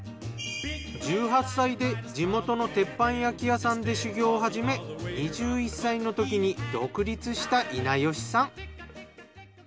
１８歳で地元の鉄板焼き屋さんで修業を始め２１歳の時に独立した稲吉さん。